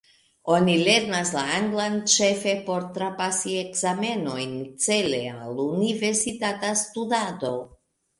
Oni lernas la anglan ĉefe por trapasi ekzamenojn cele al universitata studado.